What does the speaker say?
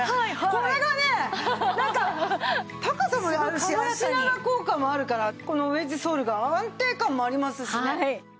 これがねなんか高さもあるし脚長効果もあるからこのウエッジソールが安定感もありますしね。